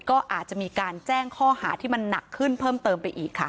ก็อาจจะมีการแจ้งข้อหาที่มันหนักขึ้นเพิ่มเติมไปอีกค่ะ